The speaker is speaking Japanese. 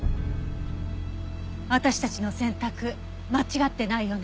私たちの選択間違ってないよね？